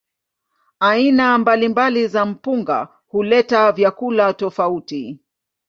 Aina mbalimbali za mpunga huleta vyakula tofauti.